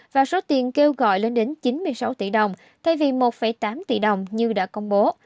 và số tiền kêu gọi lên đến chín mươi sáu tỷ đồng thay vì một tám tỷ đồng như đã công bố